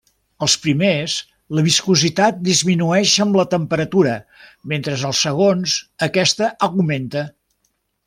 Als primers la viscositat disminueix amb la temperatura, mentre als segons aquesta augmenta.